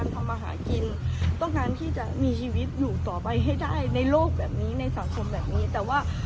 ทำมาหากินต้องการที่จะมีชีวิตอยู่ต่อไปให้ได้ในโลกแบบนี้ในสังคมแบบนี้แต่ว่า